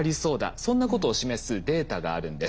そんなことを示すデータがあるんです。